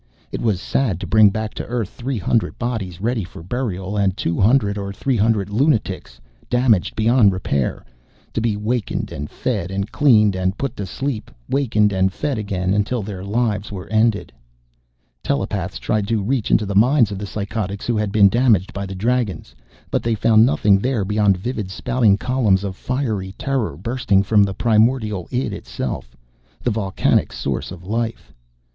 It was sad to bring back to Earth three hundred bodies ready for burial and two hundred or three hundred lunatics, damaged beyond repair, to be wakened, and fed, and cleaned, and put to sleep, wakened and fed again until their lives were ended. Telepaths tried to reach into the minds of the psychotics who had been damaged by the Dragons, but they found nothing there beyond vivid spouting columns of fiery terror bursting from the primordial id itself, the volcanic source of life.